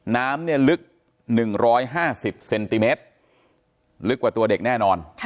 น้ำเนี่ยลึก๑๕๐เซนติเมตรลึกกว่าตัวเด็กแน่นอน